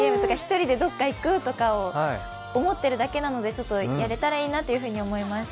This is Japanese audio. １人でどっか行くとかも思っているだけなのでやれたらいいなと思います。